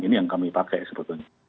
ini yang kami pakai sebetulnya